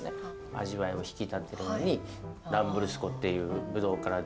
味わいを引き立てるのにランブルスコっていうブドウから出来たものがあって